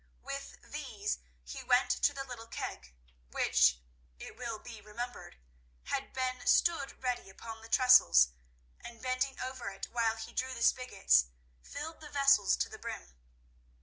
With these he went to the little keg which, it will be remembered, had been stood ready upon the trestles, and, bending over it while he drew the spigots, filled the vessels to the brim.